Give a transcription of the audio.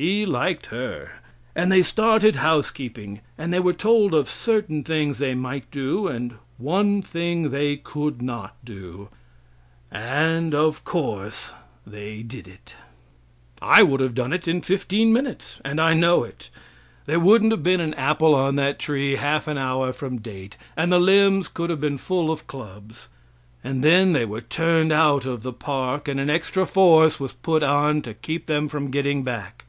He liked her, and they started housekeeping; and they were told of certain things they might do, and one thing they could not do and of course they did it. I would have done it in fifteen minutes, and I know it. There wouldn't have been an apple on that tree half an hour from date, and the limbs could have been full of clubs. And then they were turned out of the park, and an extra force was put on to keep them from getting back.